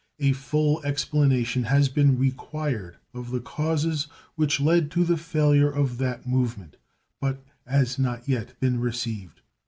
A full explanation has been required of the causes which led to the failure of that movement, but has not yet been received.